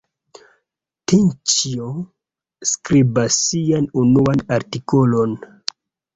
Tinĉjo skribas sian unuan artikolon.